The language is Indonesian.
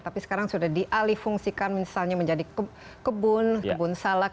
tapi sekarang sudah dialih fungsikan misalnya menjadi kebun kebun salak